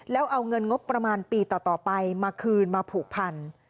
แล้วเอาเงินงบประมาณปีต่อไปมาคืนมาผูกพัน